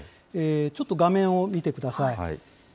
ちょっと画面を見てください。